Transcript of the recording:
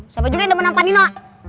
siapa juga yang depan pak nino